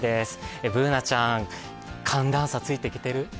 Ｂｏｏｎａちゃん、寒暖差ついてきてる？